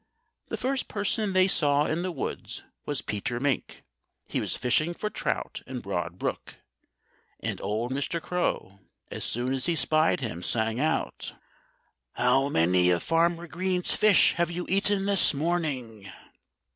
The first person they saw in the woods was Peter Mink. He was fishing for trout in Broad Brook. And old Mr. Crow, as soon as he spied him, sang out: "How many of Farmer Green's fish have you eaten this morning?"